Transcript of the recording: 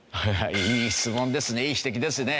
いい指摘ですね。